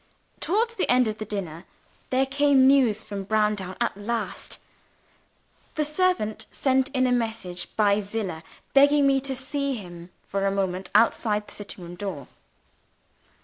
Towards the end of the dinner, there came news from Browndown at last. The servant sent in a message by Zillah, begging me to see him for a moment outside the sitting room door.